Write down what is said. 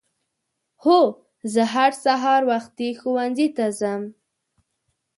هو زه هر سهار وختي ښؤونځي ته ځم.